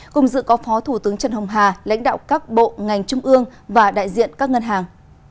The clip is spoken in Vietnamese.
cùng dự có phó thủ tướng trần hồng hà lãnh đạo các bộ ngành trung ương và đại diện các ngân hàng